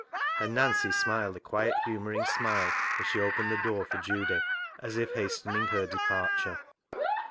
And Nancy smiled a quiet, humouring smile as she opened the door for Judy, as if hastening her departure.